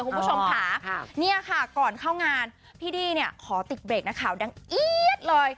คุณผู้ชมค่ะเนี่ยค่ะก่อนเข้างานพี่ดี้เนี่ยขอติดเบรกนักข่าวดังเอี๊ยดเลย